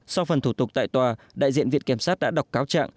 sau phần thủ tục tại tòa đại diện viện kiểm sát đã đọc cáo trạng